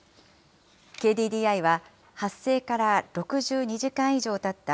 ＫＤＤＩは、発生から６２時間以上たった